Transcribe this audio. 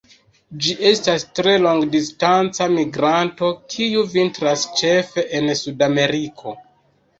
Ĝi estas tre longdistanca migranto kiu vintras ĉefe en Suda Ameriko.